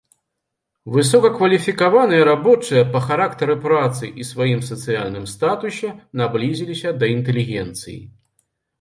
Высокакваліфікаваныя рабочыя па характары працы і сваім сацыяльным статусе наблізіліся да інтэлігенцыі.